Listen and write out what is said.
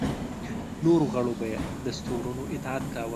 نورو غړو به یې دستورونو اطاعت کاوه.